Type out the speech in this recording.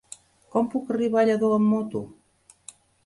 Com puc arribar a Lladó amb moto?